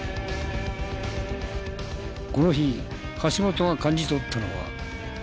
この日橋本が感じ取ったのは。